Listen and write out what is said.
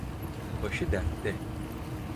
Başı dertte.